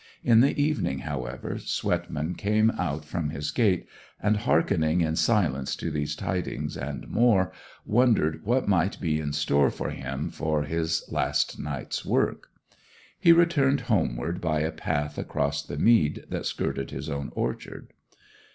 In the evening, however, Swetman came out from his gate, and, harkening in silence to these tidings and more, wondered what might be in store for him for his last night's work. He returned homeward by a path across the mead that skirted his own orchard.